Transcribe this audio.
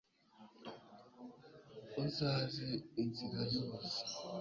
uzaze inzira zose